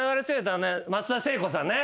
松田聖子さんね。